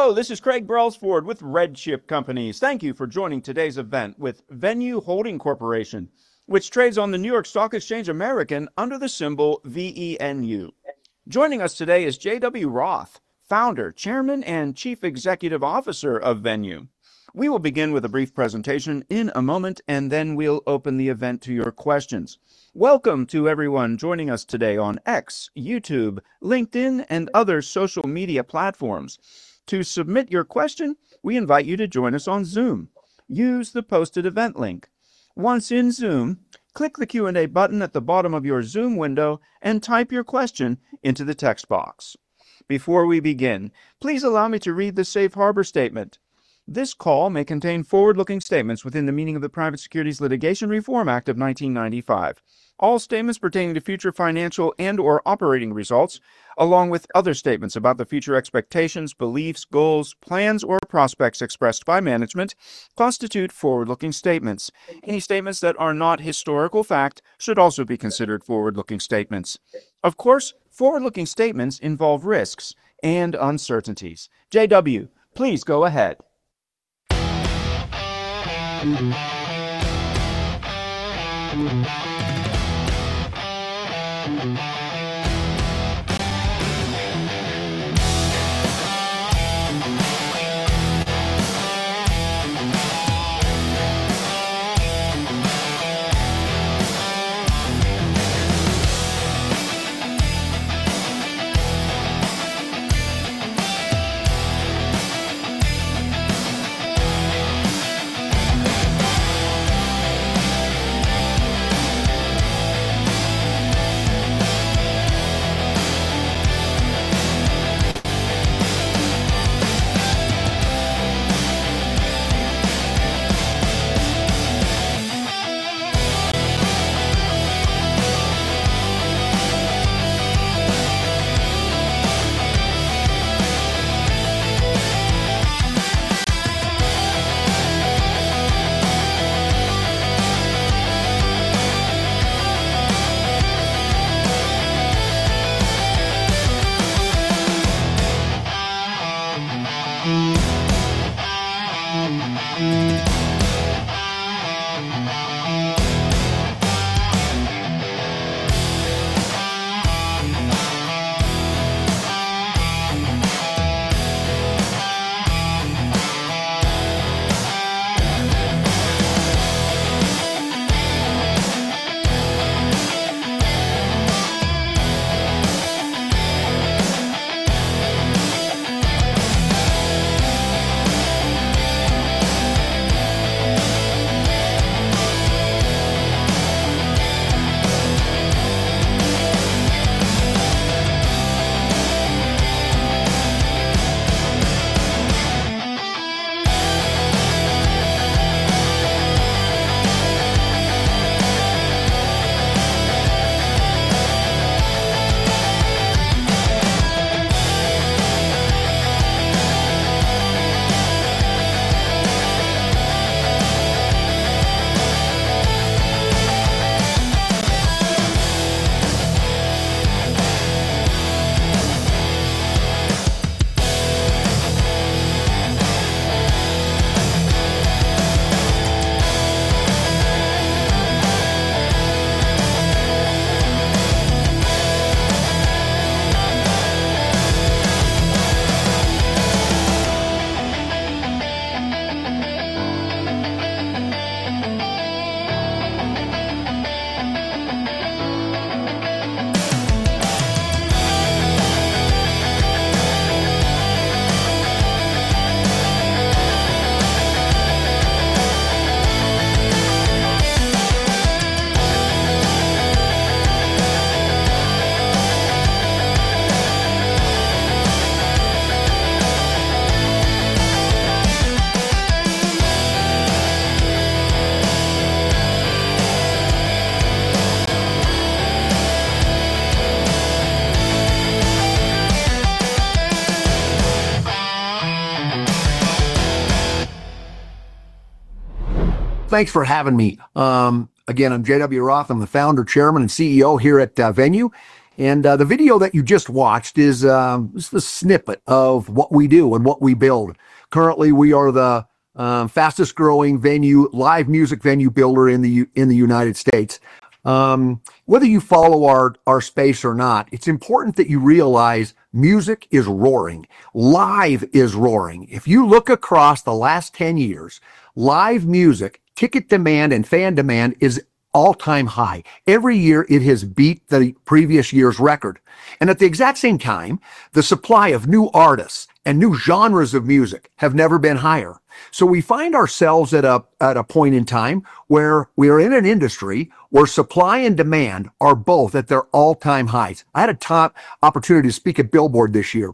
Hello, this is Craig Brelsford with RedChip Companies. Thank you for joining today's event with Venu Holding Corporation, which trades on the New York Stock Exchange American under the symbol VENU. Joining us today is J.W. Roth, Founder, Chairman, and Chief Executive Officer of Venu. We will begin with a brief presentation in a moment, then we'll open the event to your questions. Welcome to everyone joining us today on X, YouTube, LinkedIn, and other social media platforms. To submit your question, we invite you to join us on Zoom. Use the posted event link. Once in Zoom, click the Q&A button at the bottom of your Zoom window and type your question into the text box. Before we begin, please allow me to read the Safe Harbor statement. This call may contain forward-looking statements within the meaning of the Private Securities Litigation Reform Act of 1995. All statements pertaining to future financial and/or operating results, along with other statements about the future expectations, beliefs, goals, plans, or prospects expressed by management, constitute forward-looking statements. Any statements that are not historical fact should also be considered forward-looking statements. Of course, forward-looking statements involve risks and uncertainties. J.W., please go ahead. Thanks for having me. Again, I'm J.W. Roth. I'm the Founder, Chairman, and CEO here at Venu, and the video that you just watched is the snippet of what we do and what we build. Currently, we are the fastest-growing live music venue builder in the United States. Whether you follow our space or not, it's important that you realize music is roaring. Live is roaring. If you look across the last 10 years, live music, ticket demand, and fan demand is all-time high. Every year, it has beat the previous year's record. At the exact same time, the supply of new artists and new genres of music have never been higher. We find ourselves at a point in time where we are in an industry where supply and demand are both at their all-time highs. I had a top opportunity to speak at Billboard this year.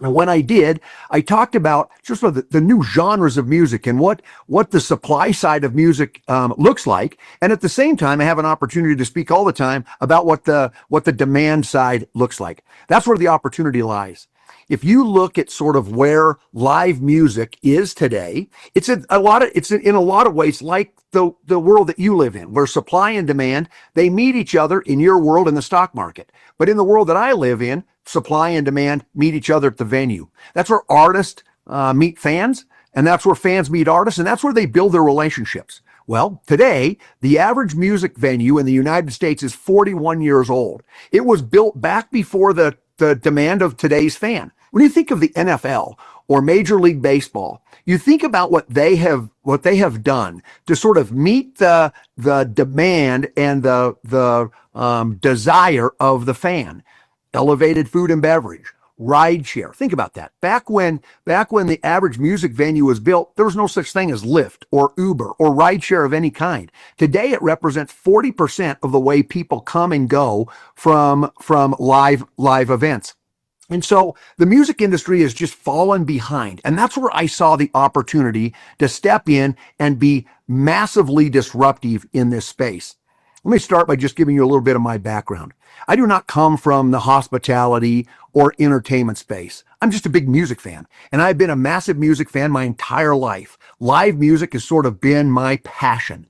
When I did, I talked about just the new genres of music and what the supply side of music looks like. At the same time, I have an opportunity to speak all the time about what the demand side looks like. That's where the opportunity lies. If you look at sort of where live music is today, it's in a lot of ways like the world that you live in, where supply and demand, they meet each other in your world in the stock market. In the world that I live in, supply and demand meet each other at the venue. That's where artists meet fans, and that's where fans meet artists, and that's where they build their relationships. Well, today, the average music venue in the United States is 41 years old. It was built back before the demand of today's fan. When you think of the NFL or Major League Baseball, you think about what they have done to sort of meet the demand and the desire of the fan. Elevated food and beverage, rideshare. Think about that. Back when the average music venue was built, there was no such thing as Lyft or Uber or rideshare of any kind. Today, it represents 40% of the way people come and go from live events. The music industry has just fallen behind, and that's where I saw the opportunity to step in and be massively disruptive in this space. Let me start by just giving you a little bit of my background. I do not come from the hospitality or entertainment space. I'm just a big music fan, and I've been a massive music fan my entire life. Live music has sort of been my passion.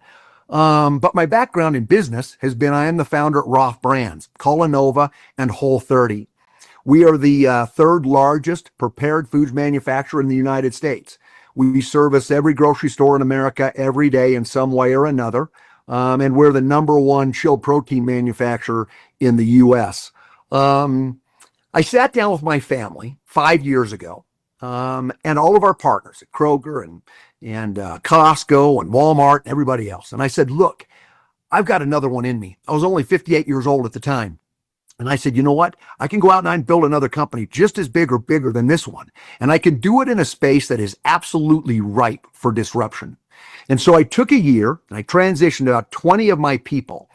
My background in business has been, I am the Founder at Roth Brands, Culinova, and Whole30. We are the third-largest prepared food manufacturer in the United States. We service every grocery store in America every day in some way or another, and we're the number one chilled protein manufacturer in the U.S. I sat down with my family five years ago, all of our partners at Kroger and Costco and Walmart and everybody else, I said, "Look, I've got another one in me." I was only 58 years old at the time, I said, "You know what? I can go out and build another company just as big or bigger than this one, and I can do it in a space that is absolutely ripe for disruption." I took a year, I transitioned about 20 of my people,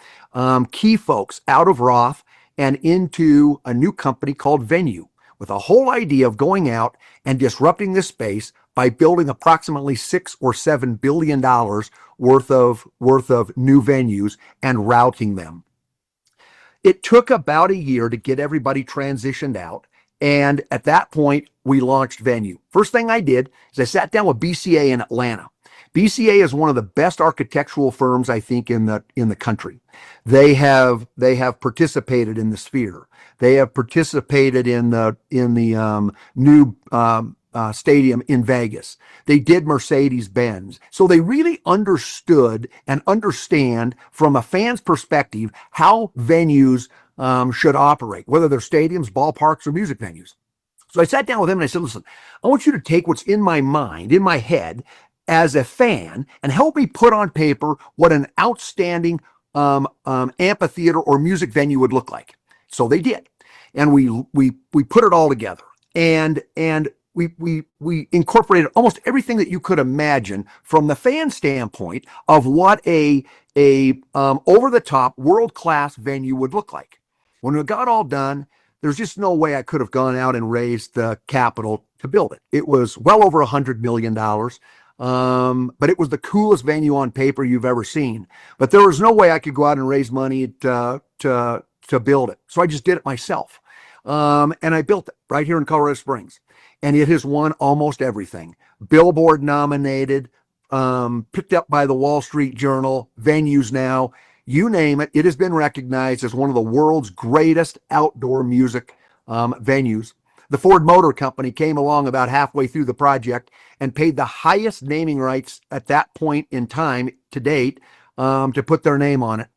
key folks, out of Roth and into a new company called Venu, with the whole idea of going out and disrupting this space by building approximately $6 billion or $7 billion worth of new venues and routing them. It took about a year to get everybody transitioned out, at that point, we launched Venu. First thing I did is I sat down with BCA in Atlanta. BCA is one of the best architectural firms, I think, in the country. They have participated in the Sphere. They have participated in the new stadium in Vegas. They did Mercedes-Benz. They really understood and understand from a fan's perspective how venues should operate, whether they're stadiums, ballparks, or music venues. I sat down with them, I said, "Listen, I want you to take what's in my mind, in my head as a fan, and help me put on paper what an outstanding amphitheater or music venue would look like." They did. We put it all together. We incorporated almost everything that you could imagine from the fan standpoint of what an over-the-top, world-class venue would look like. When it got all done, there's just no way I could've gone out and raised the capital to build it. It was well over $100 million. It was the coolest venue on paper you've ever seen. There was no way I could go out and raise money to build it. I just did it myself. I built it right here in Colorado Springs, and it has won almost everything. Billboard-nominated, picked up by The Wall Street Journal, VenuesNow. You name it has been recognized as one of the world's greatest outdoor music venues. The Ford Motor Company came along about halfway through the project and paid the highest naming rights at that point in time to date to put their name on it,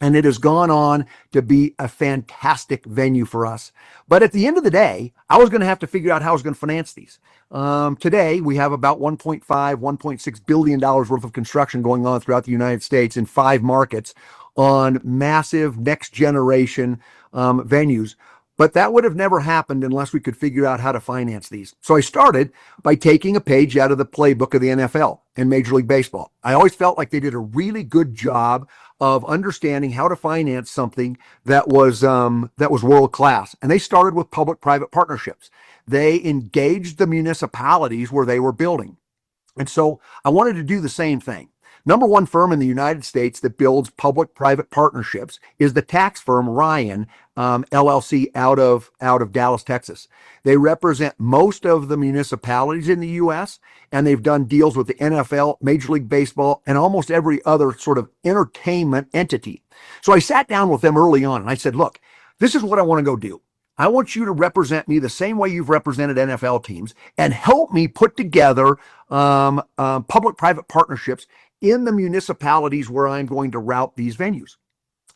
and it has gone on to be a fantastic venue for us. At the end of the day, I was going to have to figure out how I was going to finance these. Today, we have about $1.5 billion-$1.6 billion worth of construction going on throughout the United States in five markets on massive next-generation venues. That would have never happened unless we could figure out how to finance these. I started by taking a page out of the playbook of the NFL and Major League Baseball. I always felt like they did a really good job of understanding how to finance something that was world-class. They started with public-private partnerships. They engaged the municipalities where they were building. I wanted to do the same thing. Number one firm in the United States that builds public-private partnerships is the tax firm Ryan LLC out of Dallas, Texas. They represent most of the municipalities in the U.S. They've done deals with the NFL, Major League Baseball, and almost every other sort of entertainment entity. I sat down with them early on, and I said, "Look, this is what I want to go do. I want you to represent me the same way you've represented NFL teams and help me put together public-private partnerships in the municipalities where I'm going to route these venues."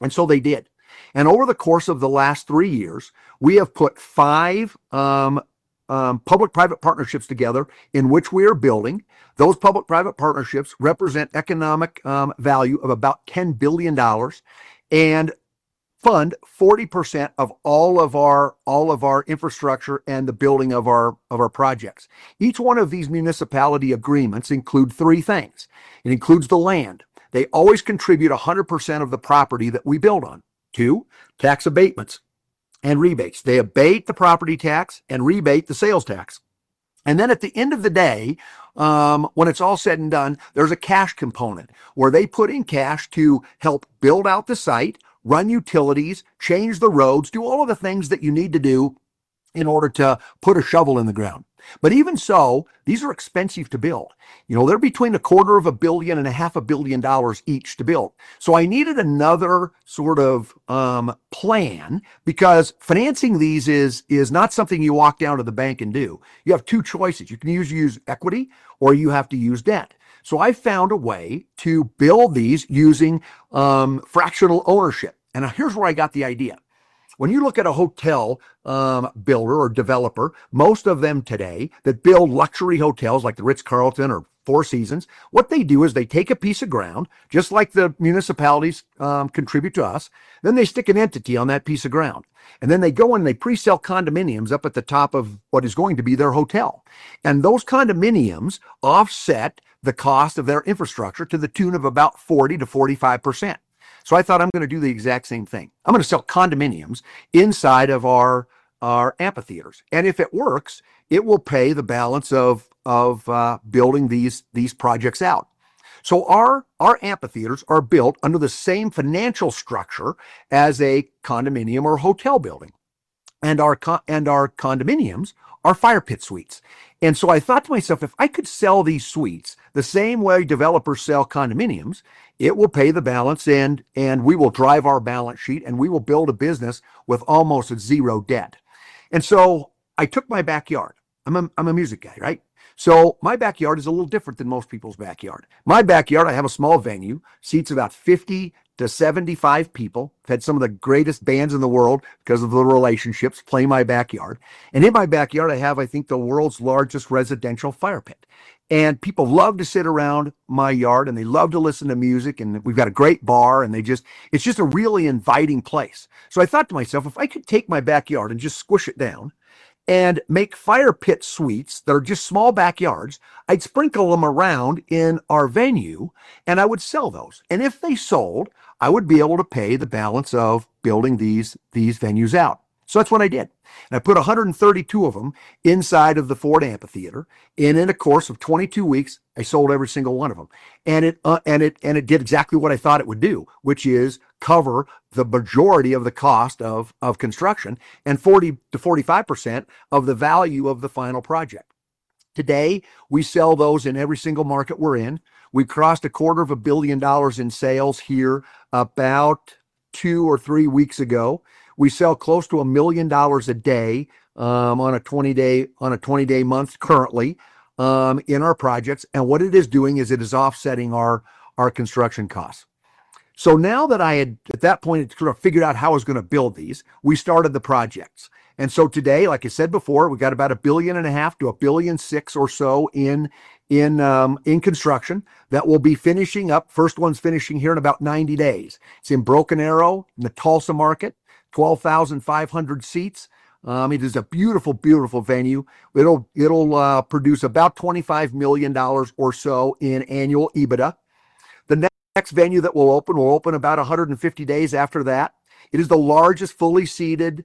They did. Over the course of the last three years, we have put five public-private partnerships together in which we are building. Those public-private partnerships represent economic value of about $10 billion and fund 40% of all of our infrastructure and the building of our projects. Each one of these municipality agreements include three things. It includes the land. They always contribute 100% of the property that we build on. Two, tax abatements and rebates. They abate the property tax and rebate the sales tax. At the end of the day, when it's all said and done, there's a cash component where they put in cash to help build out the site, run utilities, change the roads, do all of the things that you need to do in order to put a shovel in the ground. Even so, these are expensive to build. They're between $0.25 billion and $0.5 billion each to build. I needed another sort of plan, because financing these is not something you walk down to the bank and do. You have two choices. You can either use equity or you have to use debt. I found a way to build these using fractional ownership. Now here's where I got the idea. When you look at a hotel builder or developer, most of them today that build luxury hotels like The Ritz-Carlton or Four Seasons, what they do is they take a piece of ground, just like the municipalities contribute to us. They stick an entity on that piece of ground. They go and they pre-sell condominiums up at the top of what is going to be their hotel. Those condominiums offset the cost of their infrastructure to the tune of about 40%-45%. I thought, I'm going to do the exact same thing. I'm going to sell condominiums inside of our amphitheaters. If it works, it will pay the balance of building these projects out. Our amphitheaters are built under the same financial structure as a condominium or hotel building. Our condominiums are Fire Pit Suites. I thought to myself, if I could sell these suites the same way developers sell condominiums, it will pay the balance and we will drive our balance sheet, and we will build a business with almost zero debt. I took my backyard. I'm a music guy, right? My backyard is a little different than most people's backyard. My backyard, I have a small venue, seats about 50-75 people, I've had some of the greatest bands in the world, because of the relationships, play my backyard. In my backyard, I have, I think, the world's largest residential Fire Pit. People love to sit around my yard, and they love to listen to music, and we've got a great bar, and it's just a really inviting place. I thought to myself, if I could take my backyard and just squish it down and make Fire Pit Suites that are just small backyards, I'd sprinkle them around in our Venu, and I would sell those. If they sold, I would be able to pay the balance of building these venues out. That's what I did. I put 132 of them inside of the Ford Amphitheater. In a course of 22 weeks, I sold every single one of them. It did exactly what I thought it would do, which is cover the majority of the cost of construction and 40%-45% of the value of the final project. Today, we sell those in every single market we're in. We crossed a quarter of a billion dollars in sales here about two or three weeks ago. We sell close to $1 million a day on a 20-day month currently in our projects. What it is doing is it is offsetting our construction costs. Now that I had, at that point, sort of figured out how I was going to build these, we started the projects. Today, like I said before, we've got about $1.5 billion to $1.6 billion or so in construction that we'll be finishing up. First one's finishing here in about 90 days. It's in Broken Arrow in the Tulsa market, 12,500 seats. It is a beautiful venue. It'll produce about $25 million or so in annual EBITDA. The next venue that we'll open will open about 150 days after that. It is the largest fully seated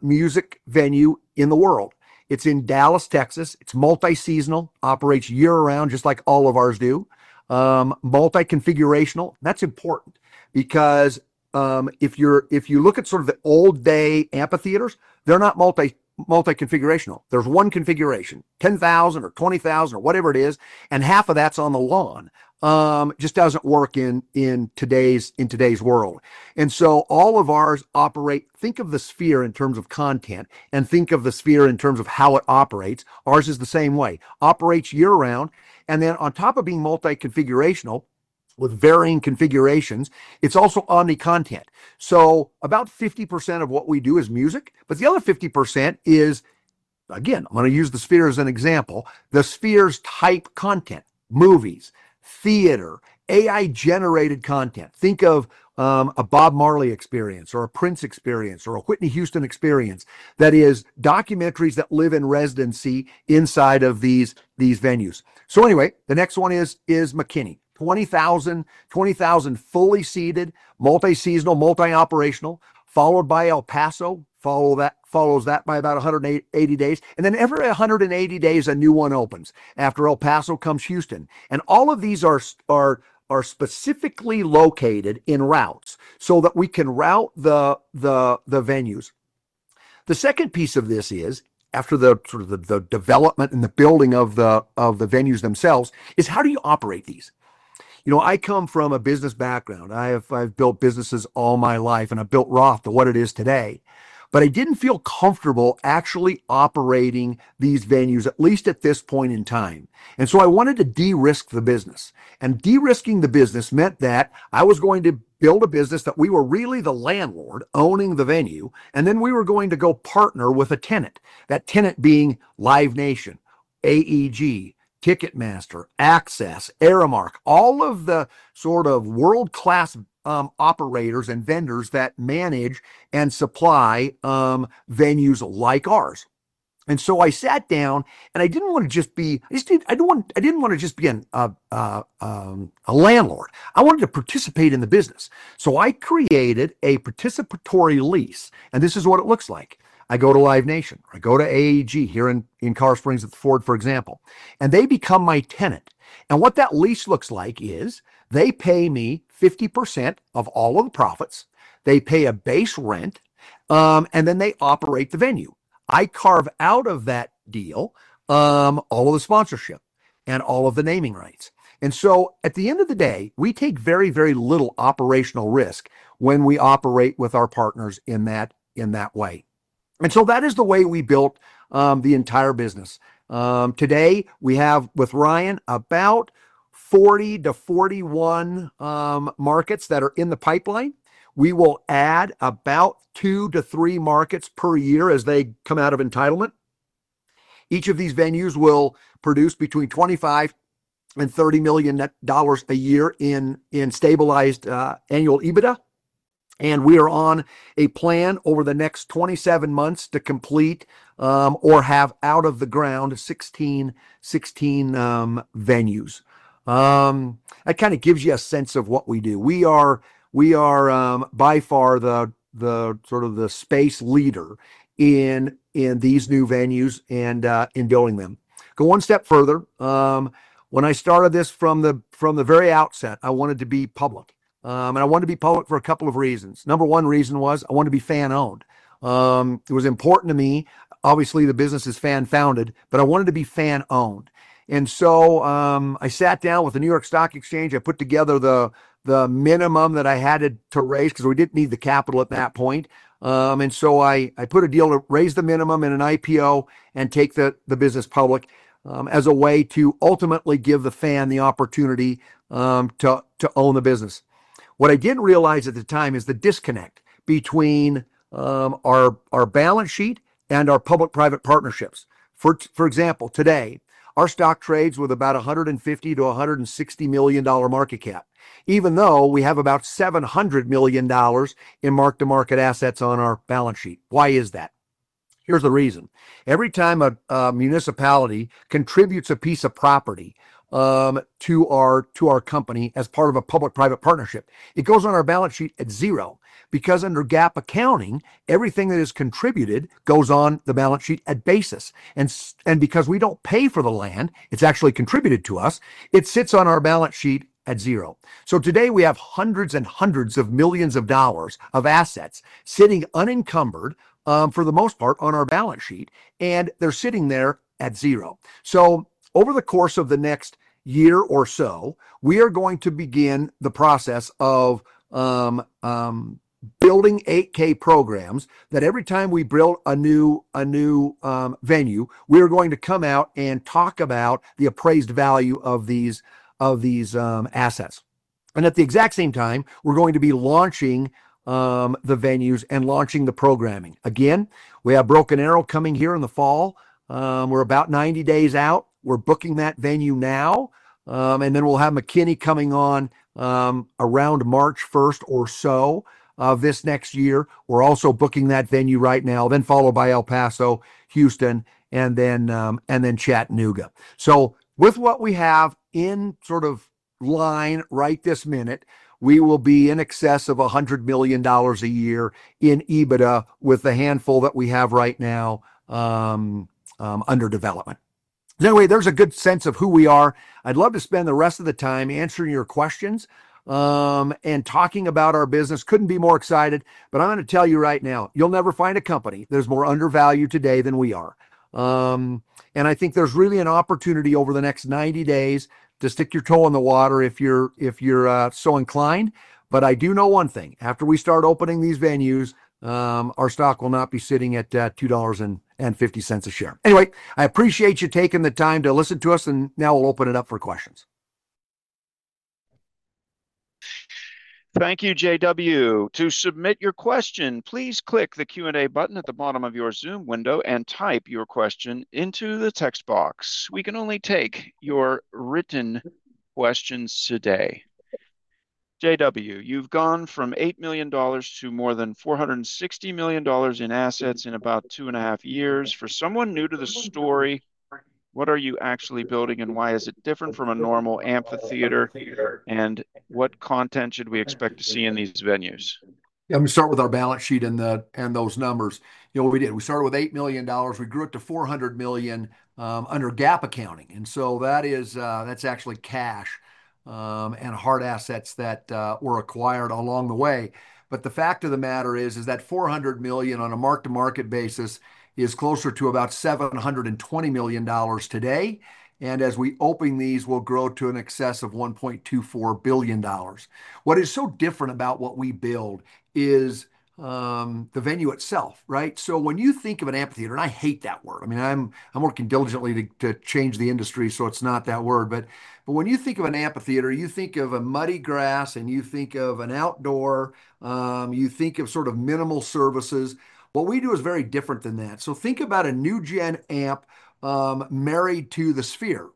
music venue in the world. It's in Dallas, Texas. It's multi-seasonal, operates year-round, just like all of ours do. Multi-configurational. That's important because if you look at sort of the old-day amphitheaters, they're not multi-configurational. There's one configuration, 10,000 or 20,000, or whatever it is, and half of that's on the lawn. Just doesn't work in today's world. All of ours operate. Think of the Sphere in terms of content and think of the Sphere in terms of how it operates. Ours is the same way. Operates year-round, on top of being multi-configurational with varying configurations, it's also omni-content. About 50% of what we do is music, but the other 50% is, again, I'm going to use the Sphere as an example. The Sphere's type content, movies, theater, AI-generated content. Think of a Bob Marley experience or a Prince experience or a Whitney Houston experience. That is, documentaries that live in residency inside of these venues. The next one is McKinney. 20,000 fully seated, multi-seasonal, multi-operational. Followed by El Paso, follows that by about 180 days. Every 180 days, a new one opens. After El Paso comes Houston. All of these are specifically located in routes so that we can route the venues. The second piece of this is, after the development and the building of the venues themselves, is how do you operate these? I come from a business background. I've built businesses all my life, and I built Roth to what it is today. I didn't feel comfortable actually operating these venues, at least at this point in time. I wanted to de-risk the business. De-risking the business meant that I was going to build a business that we were really the landlord owning the Venu, and then we were going to go partner with a tenant. That tenant being Live Nation, AEG, Ticketmaster, AXS, Aramark, all of the sort of world-class operators and vendors that manage and supply venues like ours. I sat down and I didn't want to just be a landlord. I wanted to participate in the business. I created a participatory lease, and this is what it looks like. I go to Live Nation, or I go to AEG here in Colorado Springs with Ford, for example, and they become my tenant. What that lease looks like is they pay me 50% of all of the profits, they pay a base rent, and then they operate the venue. I carve out of that deal all of the sponsorship and all of the naming rights. At the end of the day, we take very, very little operational risk when we operate with our partners in that way. That is the way we built the entire business. Today we have, with Ryan, about 40-41 markets that are in the pipeline. We will add about two-three markets per year as they come out of entitlement. Each of these venues will produce between $25 million and $30 million a year in stabilized annual EBITDA. We are on a plan over the next 27 months to complete, or have out of the ground, 16 venues. That kind of gives you a sense of what we do. We are by far the space leader in these new venues and in building them. Go one step further, when I started this from the very outset, I wanted to be public. I wanted to be public for a couple of reasons. Number one reason was I wanted to be fan-owned. It was important to me. Obviously, the business is fan-founded, but I wanted to be fan-owned. I sat down with the New York Stock Exchange. I put together the minimum that I had to raise because we didn't need the capital at that point. I put a deal to raise the minimum in an IPO and take the business public as a way to ultimately give the fan the opportunity to own the business. What I didn't realize at the time is the disconnect between our balance sheet and our public-private partnerships. For example, today our stock trades with about $150 million-$160 million market cap, even though we have about $700 million in market-to-market assets on our balance sheet. Why is that? Here's the reason. Every time a municipality contributes a piece of property to our company as part of a public-private partnership, it goes on our balance sheet at zero because under GAAP accounting, everything that is contributed goes on the balance sheet at basis. Because we don't pay for the land, it's actually contributed to us, it sits on our balance sheet at zero. Today we have hundreds and hundreds of millions of dollars of assets sitting unencumbered, for the most part, on our balance sheet, and they're sitting there at zero. Over the course of the next year or so, we are going to begin the process of building 8-K programs that every time we build a new venue, we are going to come out and talk about the appraised value of these assets. At the exact same time, we're going to be launching the venues and launching the programming. Again, we have Broken Arrow coming here in the fall. We're about 90 days out. We're booking that venue now. We'll have McKinney coming on around March 1st or so of this next year. We're also booking that venue right now. Followed by El Paso, Houston, and Chattanooga. With what we have in line right this minute, we will be in excess of $100 million a year in EBITDA with the handful that we have right now under development. There's a good sense of who we are. I'd love to spend the rest of the time answering your questions, and talking about our business. Couldn't be more excited. I'm going to tell you right now, you'll never find a company that's more undervalued today than we are. I think there's really an opportunity over the next 90 days to stick your toe in the water if you're so inclined. I do know one thing. After we start opening these venues, our stock will not be sitting at $2.50 a share. I appreciate you taking the time to listen to us, now we'll open it up for questions. Thank you, J.W. To submit your question, please click the Q&A button at the bottom of your Zoom window and type your question into the text box. We can only take your written questions today. J.W., you've gone from $8 million to more than $460 million in assets in about 2.5 years. For someone new to the story, what are you actually building and why is it different from a normal amphitheater? What content should we expect to see in these venues? Let me start with our balance sheet and those numbers. What we did, we started with $8 million. We grew it to $400 million, under GAAP accounting. That's actually cash. Hard assets that were acquired along the way. The fact of the matter is that $400 million on a mark-to-market basis is closer to about $720 million today, and as we open these, will grow to in excess of $1.24 billion. What is so different about what we build is the venue itself, right? When you think of an amphitheater, and I hate that word. I'm working diligently to change the industry so it's not that word. When you think of an amphitheater, you think of a muddy grass, you think of an outdoor, you think of sort of minimal services. What we do is very different than that. Think about a new gen amp married to the Sphere.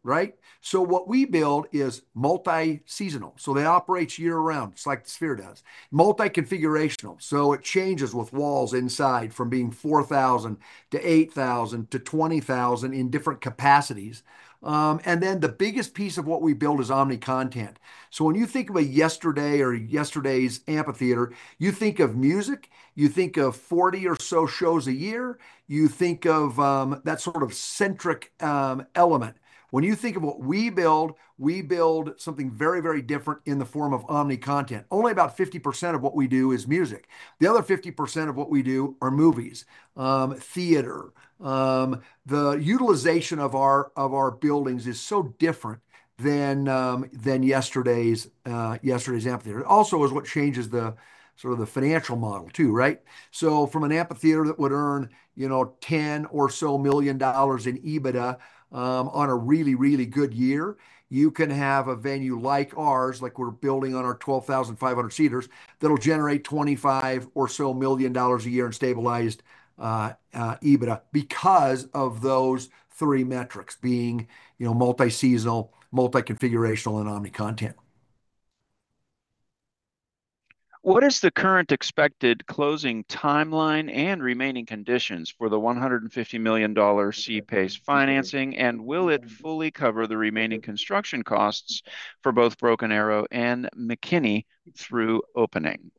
What we build is multi-seasonal, so that operates year-round, just like the Sphere does. Multi-configurational, so it changes with walls inside from being 4,000 to 8,000 to 20,000 in different capacities. The biggest piece of what we build is omni-content. When you think of yesterday or yesterday's amphitheater, you think of music, you think of 40 or so shows a year. You think of that sort of centric element. When you think of what we build, we build something very different in the form of omni-content. Only about 50% of what we do is music. The other 50% of what we do are movies, theater. The utilization of our buildings is so different than yesterday's amphitheater. It also is what changes the financial model too. From an amphitheater that would earn $10 million or so million dollars in EBITDA on a really good year, you can have a venue like ours, like we're building on our 12,500 seaters, that'll generate $25 million or so million dollars a year in stabilized EBITDA because of those three metrics being multi-seasonal, multi-configurational, and omni-content. What is the current expected closing timeline and remaining conditions for the $150 million C-PACE financing, and will it fully cover the remaining construction costs for both Broken Arrow and McKinney through opening?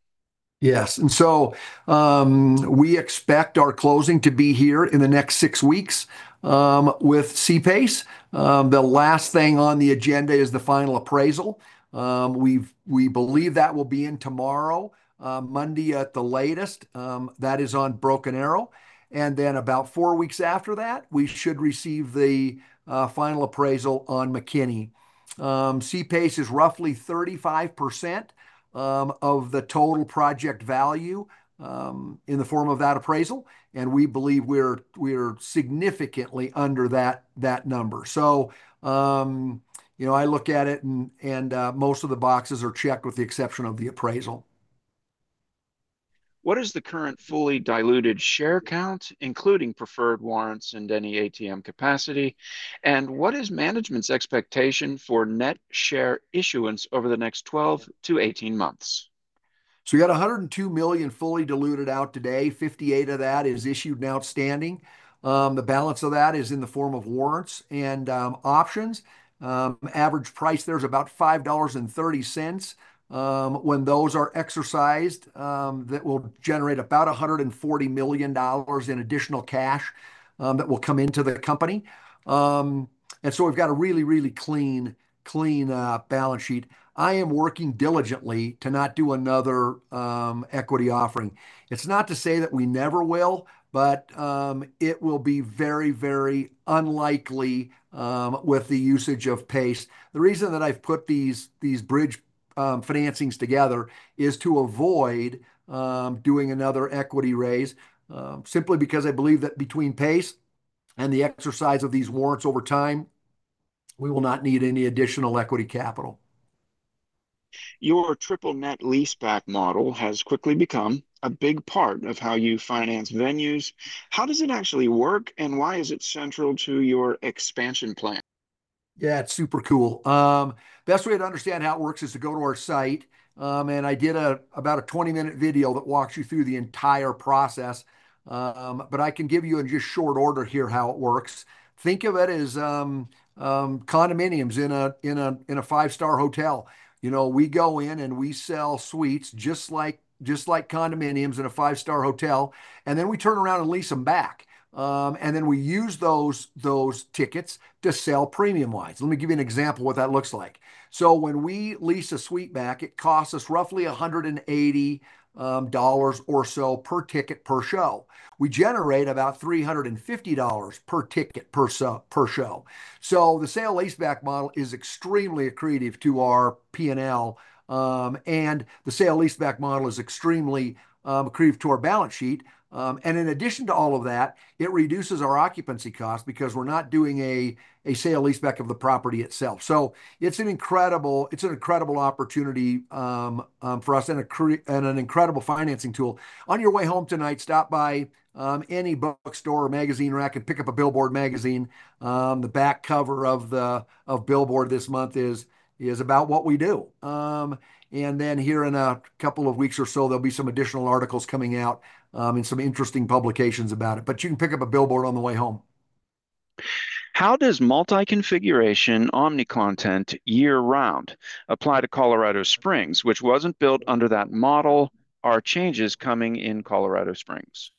Yes. We expect our closing to be here in the next six weeks with C-PACE. The last thing on the agenda is the final appraisal. We believe that will be in tomorrow, Monday at the latest. That is on Broken Arrow. About four weeks after that, we should receive the final appraisal on McKinney. C-PACE is roughly 35% of the total project value in the form of that appraisal, and we believe we're significantly under that number. I look at it, and most of the boxes are checked with the exception of the appraisal. What is the current fully diluted share count, including preferred warrants and any ATM capacity, and what is management's expectation for net share issuance over the next 12-18 months? We got 102 million fully diluted out today. 58 million of that is issued and outstanding. The balance of that is in the form of warrants and options. Average price there is about $5.30. When those are exercised, that will generate about $140 million in additional cash that will come into the company. We've got a really clean balance sheet. I am working diligently to not do another equity offering. It's not to say that we never will, but it will be very unlikely with the usage of PACE. The reason that I've put these bridge financings together is to avoid doing another equity raise, simply because I believe that between PACE and the exercise of these warrants over time, we will not need any additional equity capital. Your triple net leaseback model has quickly become a big part of how you finance venues. How does it actually work, and why is it central to your expansion plan? Yeah, it's super cool. Best way to understand how it works is to go to our site. I did about a 20-minute video that walks you through the entire process. I can give you in just short order here how it works. Think of it as condominiums in a five-star hotel. We go in and we sell suites just like condominiums in a five-star hotel. We turn around and lease them back. We use those tickets to sell premium-wise. Let me give you an example of what that looks like. When we lease a suite back, it costs us roughly $180 or so per ticket per show. We generate about $350 per ticket per show. The sale leaseback model is extremely accretive to our P&L. The sale leaseback model is extremely accretive to our balance sheet. In addition to all of that, it reduces our occupancy cost because we're not doing a sale leaseback of the property itself. It's an incredible opportunity for us and an incredible financing tool. On your way home tonight, stop by any bookstore or magazine rack and pick up a Billboard Magazine. The back cover of Billboard this month is about what we do. Here in a couple of weeks or so, there'll be some additional articles coming out in some interesting publications about it. You can pick up a Billboard on the way home. How does multi-configuration omni-content year-round apply to Colorado Springs, which wasn't built under that model? Are changes coming in Colorado Springs?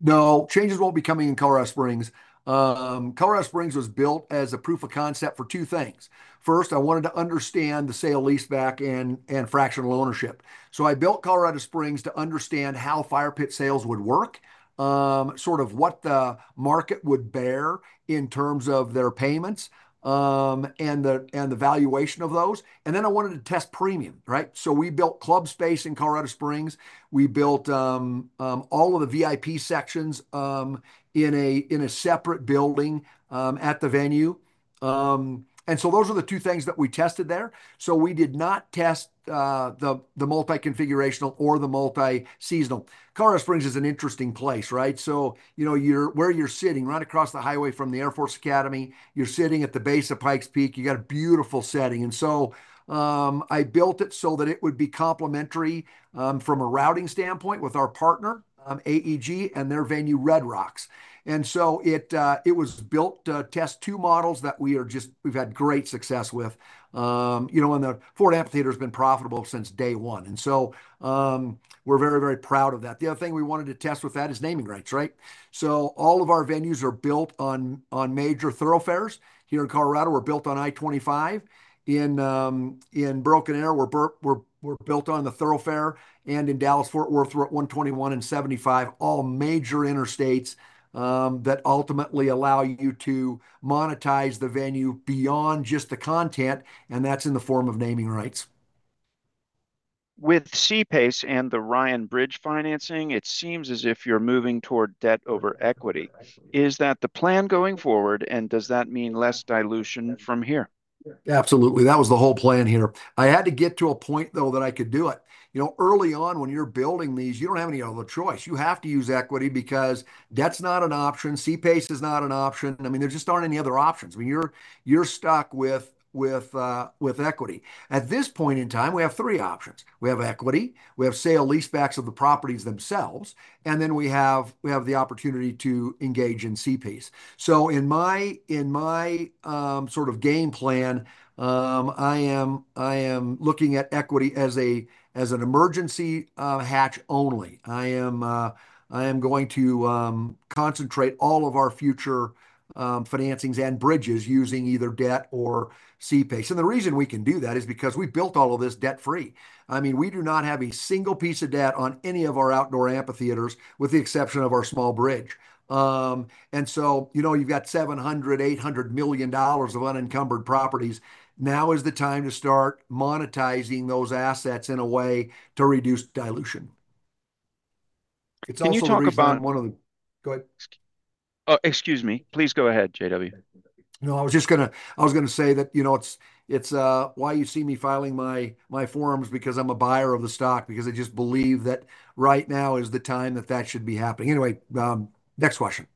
No, changes won't be coming in Colorado Springs. Colorado Springs was built as a proof of concept for two things. First, I wanted to understand the sale-leaseback and fractional ownership. I built Colorado Springs to understand how Fire Pit Suites would work, sort of what the market would bear in terms of their payments, and the valuation of those. I wanted to test premium. Right? We built Club space in Colorado Springs. We built all of the VIP sections in a separate building at the venue. Those are the two things that we tested there. We did not test the multi-configurational or the multi-seasonal. Colorado Springs is an interesting place, right? Where you're sitting, right across the highway from the Air Force Academy, you're sitting at the base of Pikes Peak. You got a beautiful setting. I built it so that it would be complementary from a routing standpoint with our partner, AEG, and their venue, Red Rocks. It was built to test two models that we've had great success with. The Ford Amphitheater's been profitable since day one, we're very, very proud of that. The other thing we wanted to test with that is naming rights, right? All of our venues are built on major thoroughfares. Here in Colorado, we're built on I-25. In Broken Arrow, we're built on the thoroughfare, and in Dallas-Fort Worth, we're at 121 and 75, all major interstates that ultimately allow you to monetize the venue beyond just the content, and that's in the form of naming rights. With C-PACE and the Ryan Bridge financing, it seems as if you're moving toward debt over equity. Is that the plan going forward, and does that mean less dilution from here? Absolutely. That was the whole plan here. I had to get to a point, though, that I could do it. Early on, when you're building these, you don't have any other choice. You have to use equity because that's not an option. C-PACE is not an option. There just aren't any other options. You're stuck with equity. At this point in time, we have three options. We have equity, we have sale-leasebacks of the properties themselves, and then we have the opportunity to engage in C-PACE. In my sort of game plan, I am looking at equity as an emergency hatch only. I am going to concentrate all of our future financings and bridges using either debt or C-PACE. The reason we can do that is because we built all of this debt-free. We do not have a single piece of debt on any of our outdoor amphitheaters, with the exception of our small bridge. You've got $700 million, $800 million of unencumbered properties. Now is the time to start monetizing those assets in a way to reduce dilution. It's also the reason Can you talk about-- Go ahead. Oh, excuse me. Please go ahead, J.W. No, I was going to say that it's why you see me filing my forms because I'm a buyer of the stock because I just believe that right now is the time that that should be happening. Anyway, next question.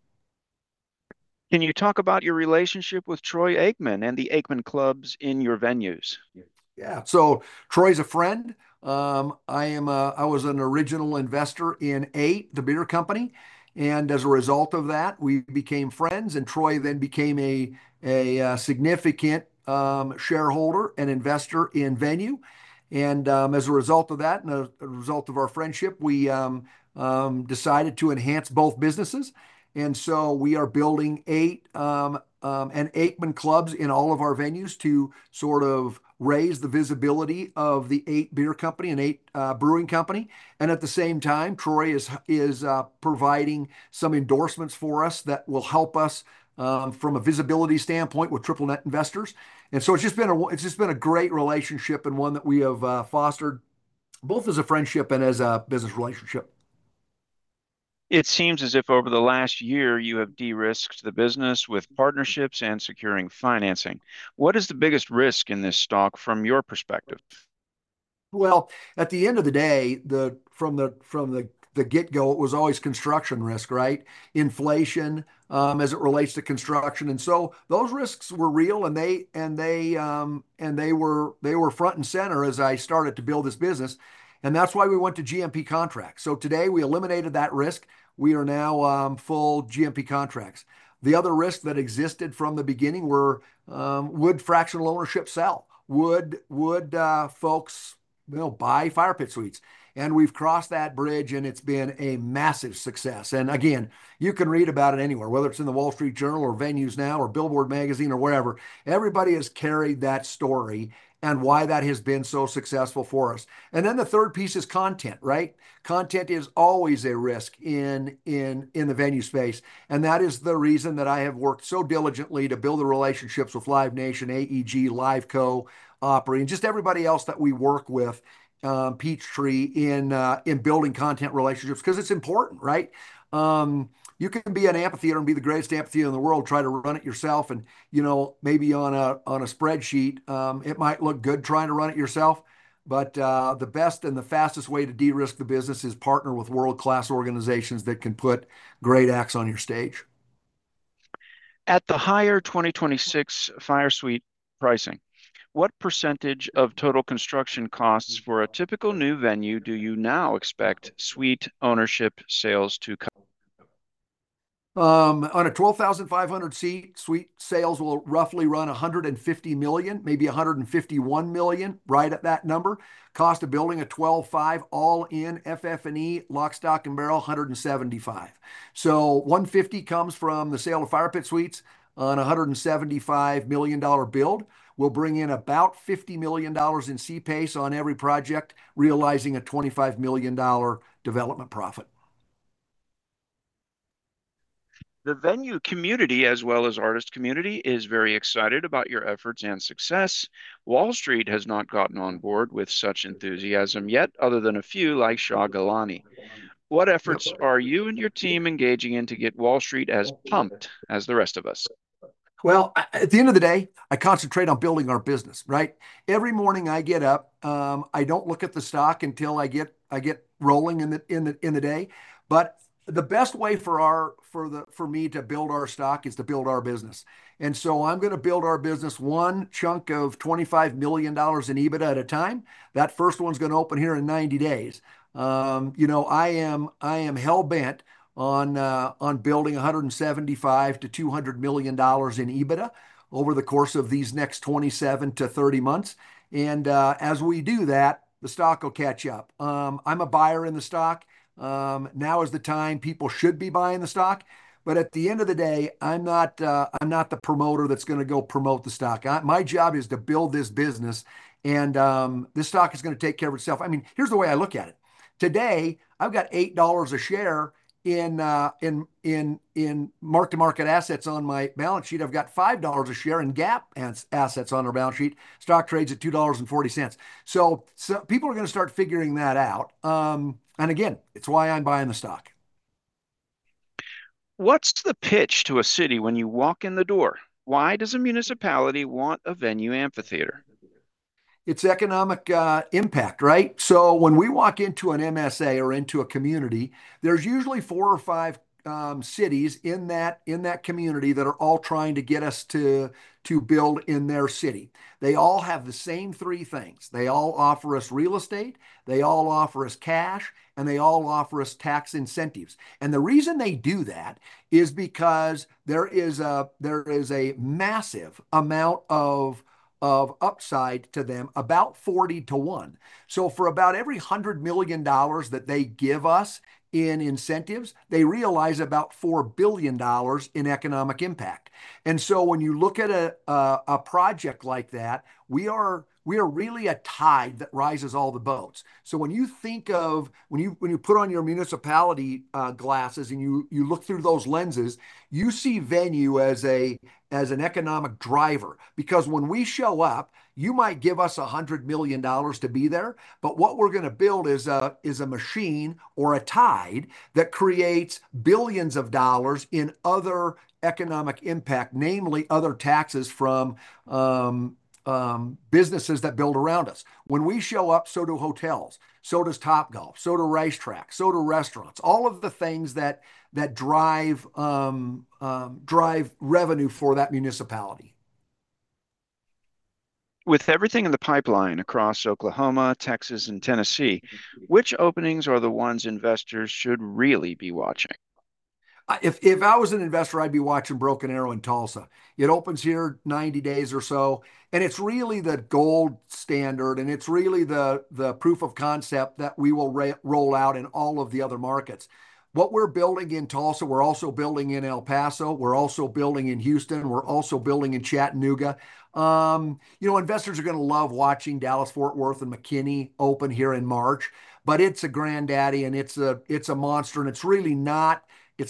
Can you talk about your relationship with Troy Aikman and the Aikman Club in your venues? Yeah. Troy's a friend. I was an original investor in EIGHT, the beer company. As a result of that, we became friends. Troy then became a significant shareholder and investor in Venu. As a result of that and a result of our friendship, we decided to enhance both businesses. We are building EIGHT and Aikman Club in all of our venues to sort of raise the visibility of the EIGHT Beer Company and EIGHT Brewing Company. At the same time, Troy is providing some endorsements for us that will help us from a visibility standpoint with triple-net investors. It's just been a great relationship and one that we have fostered both as a friendship and as a business relationship. It seems as if over the last year, you have de-risked the business with partnerships and securing financing. What is the biggest risk in this stock from your perspective? At the end of the day, from the get-go, it was always construction risk, right? Inflation as it relates to construction. Those risks were real, and they were front and center as I started to build this business, and that's why we went to GMP contracts. Today, we eliminated that risk. We are now full GMP contracts. The other risk that existed from the beginning were, would fractional ownership sell? Would folks buy Fire Pit Suites? We've crossed that bridge, and it's been a massive success. You can read about it anywhere, whether it's in The Wall Street Journal or VenuesNow or Billboard Magazine or wherever. Everybody has carried that story and why that has been so successful for us. The third piece is content, right? Content is always a risk in the venue space, and that is the reason that I have worked so diligently to build the relationships with Live Nation, AEG, LiveCo, Opry, and just everybody else that we work with, Peachtree, in building content relationships because it's important, right? You can be an amphitheater and be the greatest amphitheater in the world, try to run it yourself, and maybe on a spreadsheet, it might look good trying to run it yourself. The best and the fastest way to de-risk the business is partner with world-class organizations that can put great acts on your stage. At the higher 2026 Fire Suite pricing, what percentage of total construction costs for a typical new venue do you now expect suite ownership sales to cover? On a 12,500 seat, suite sales will roughly run $150 million, maybe $151 million, right at that number. Cost of building a 12.5 all-in FF&E, lock, stock, and barrel, $175 million. $150 million comes from the sale of Fire Pit Suites on $175 million build. We'll bring in about $50 million in C-PACE on every project, realizing a $25 million development profit. The Venu community, as well as artist community, is very excited about your efforts and success. Wall Street has not gotten on board with such enthusiasm yet, other than a few like Shah Gilani. What efforts are you and your team engaging in to get Wall Street as pumped as the rest of us? Well, at the end of the day, I concentrate on building our business, right? Every morning I get up, I don't look at the stock until I get rolling in the day. The best way for me to build our stock is to build our business. I'm going to build our business one chunk of $25 million in EBITDA at a time. That first one's going to open here in 90 days. I am hell-bent on building $175 million-$200 million in EBITDA over the course of these next 27-30 months. As we do that, the stock will catch up. I'm a buyer in the stock. Now is the time people should be buying the stock. At the end of the day, I'm not the promoter that's going to go promote the stock. My job is to build this business, and this stock is going to take care of itself. Here's the way I look at it. Today, I've got $8 a share in mark-to-market assets on my balance sheet. I've got $5 a share in GAAP assets on our balance sheet. Stock trades at $2.40. People are going to start figuring that out. Again, it's why I'm buying the stock. What's the pitch to a city when you walk in the door? Why does a municipality want a Venu amphitheater? It's economic impact, right? When we walk into an MSA or into a community, there's usually four or five cities in that community that are all trying to get us to build in their city. They all have the same three things. They all offer us real estate, they all offer us cash, and they all offer us tax incentives. The reason they do that is because there is a massive amount of upside to them, about 40 to one. For about every $100 million that they give us in incentives, they realize about $4 billion in economic impact. When you look at a project like that, we are really a tide that rises all the boats. When you put on your municipality glasses and you look through those lenses, you see Venu as an economic driver. When we show up, you might give us $100 million to be there, but what we're going to build is a machine or a tide that creates billions of dollars in other economic impact, namely other taxes from businesses that build around us. When we show up, so do hotels, so does Topgolf, so do racetracks, so do restaurants, all of the things that drive revenue for that municipality. With everything in the pipeline across Oklahoma, Texas, and Tennessee, which openings are the ones investors should really be watching? If I was an investor, I'd be watching Broken Arrow in Tulsa. It opens here 90 days or so, and it's really the gold standard, and it's really the proof of concept that we will roll out in all of the other markets. What we're building in Tulsa, we're also building in El Paso, we're also building in Houston, and we're also building in Chattanooga. Investors are going to love watching Dallas, Fort Worth, and McKinney open here in March, but it's a granddaddy and it's a monster, and it's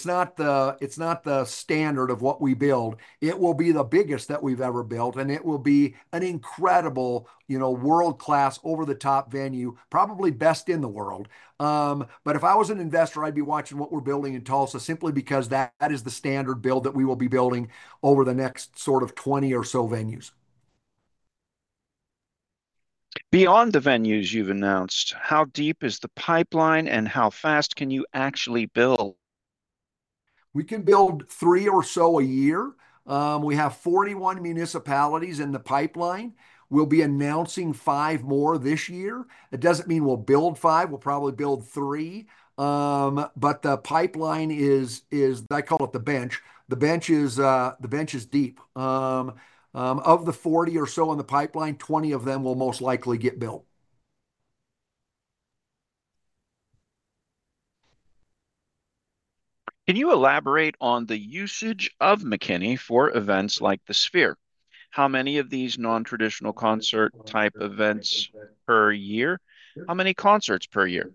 not the standard of what we build. It will be the biggest that we've ever built, and it will be an incredible world-class, over-the-top Venu, probably best in the world. If I was an investor, I would be watching what we're building in Tulsa simply because that is the standard build that we will be building over the next sort of 20 or so venues. Beyond the venues you've announced, how deep is the pipeline and how fast can you actually build? We can build three or so a year. We have 41 municipalities in the pipeline. We will be announcing five more this year. That doesn't mean we will build five. We will probably build three. The pipeline is, I call it the bench. The bench is deep. Of the 40 or so in the pipeline, 20 of them will most likely get built. Can you elaborate on the usage of McKinney for events like The Sphere? How many of these non-traditional concert type events per year? How many concerts per year?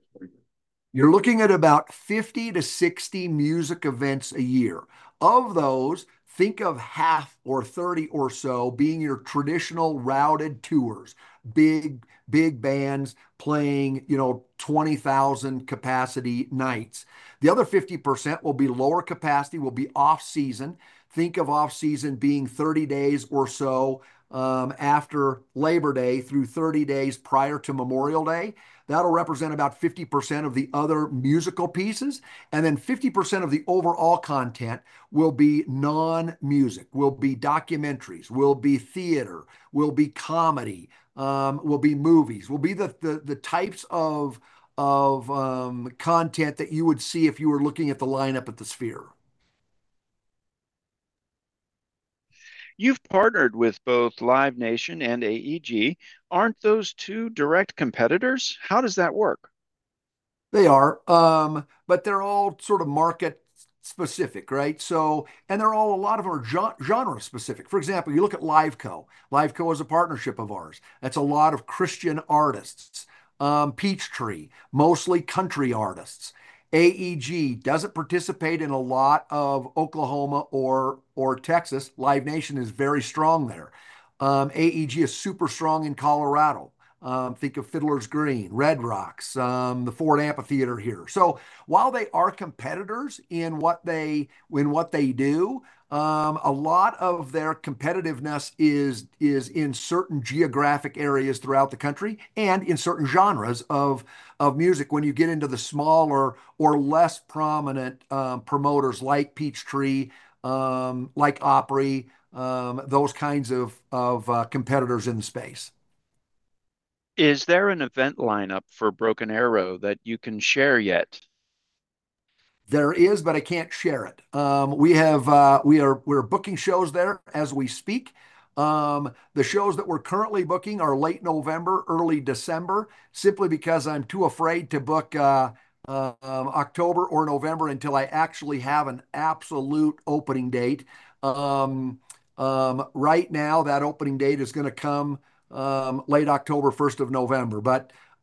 You're looking at about 50-60 music events a year. Of those, think of half, or 30 or so, being your traditional routed tours, big bands playing 20,000 capacity nights. The other 50% will be lower capacity, will be off-season. Think of off-season being 30 days or so after Labor Day through 30 days prior to Memorial Day. That'll represent about 50% of the other musical pieces. 50% of the overall content will be non-music, will be documentaries, will be theater, will be comedy, will be movies, will be the types of content that you would see if you were looking at the lineup at The Sphere. You've partnered with both Live Nation and AEG. Aren't those two direct competitors? How does that work? They are, they're all sort of market specific, right? A lot of them are genre specific. For example, you look at LiveCo. LiveCo is a partnership of ours. That's a lot of Christian artists. Peachtree, mostly country artists. AEG doesn't participate in a lot of Oklahoma or Texas. Live Nation is very strong there. AEG is super strong in Colorado. Think of Fiddler's Green, Red Rocks, the Ford Amphitheater here. While they are competitors in what they do, a lot of their competitiveness is in certain geographic areas throughout the country and in certain genres of music when you get into the smaller or less prominent promoters like Peachtree, like Opry, those kinds of competitors in the space. Is there an event lineup for Broken Arrow that you can share yet? There is, but I can't share it. We're booking shows there as we speak. The shows that we're currently booking are late November, early December, simply because I'm too afraid to book October or November until I actually have an absolute opening date. Right now, that opening date is going to come late October, 1st of November.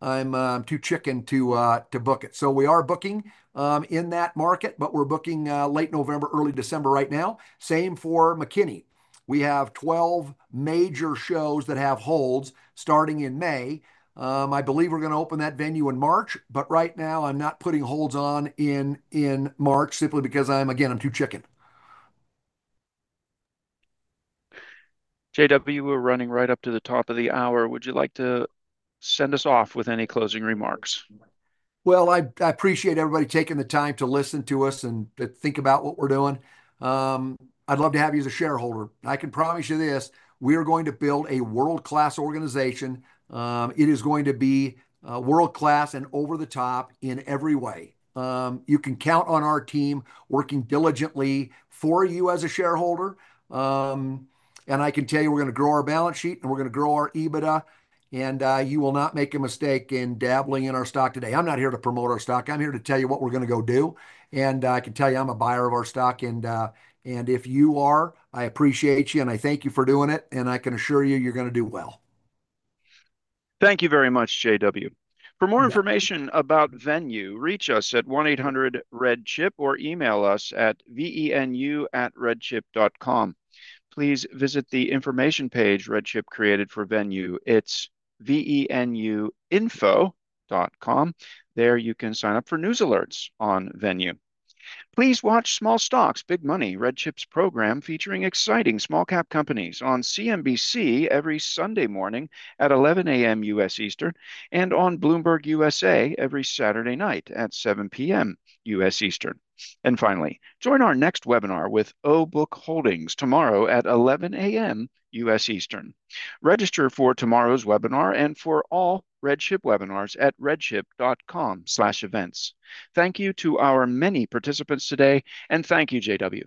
I'm too chicken to book it. We are booking in that market, but we're booking late November, early December right now. Same for McKinney. We have 12 major shows that have holds starting in May. I believe we're going to open that venue in March, but right now I'm not putting holds on in March simply because, again, I'm too chicken. J.W., we're running right up to the top of the hour. Would you like to send us off with any closing remarks? I appreciate everybody taking the time to listen to us and to think about what we're doing. I'd love to have you as a shareholder. I can promise you this, we are going to build a world-class organization. It is going to be world-class and over the top in every way. You can count on our team working diligently for you as a shareholder. I can tell you we're going to grow our balance sheet, and we're going to grow our EBITDA, and you will not make a mistake in dabbling in our stock today. I'm not here to promote our stock. I'm here to tell you what we're going to go do, I can tell you I'm a buyer of our stock. If you are, I appreciate you, and I thank you for doing it, and I can assure you you're going to do well. Thank you very much, J.W. For more information about Venu, reach us at 1-800-RED-CHIP or email us at venu@redchip.com. Please visit the information page RedChip created for Venu. It's venuinfo.com. There you can sign up for news alerts on Venu. Please watch Small Stocks, Big Money, RedChip's program featuring exciting small cap companies on CNBC every Sunday morning at 11:00 A.M. U.S. Eastern and on Bloomberg USA every Saturday night at 7:00 P.M. U.S. Eastern. Finally, join our next webinar with OBOOK Holdings tomorrow at 11:00 A.M. U.S. Eastern. Register for tomorrow's webinar and for all RedChip webinars at redchip.com/events. Thank you to our many participants today, and thank you, J.W.